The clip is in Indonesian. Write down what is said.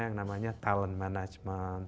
yang namanya talent management